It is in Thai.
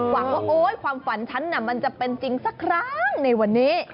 หวังว่าโอ๊ยความฝันฉันมันจะเป็นจริงสักครั้งในวันนี้